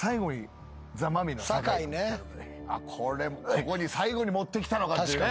ここに最後に持ってきたのかっていうね。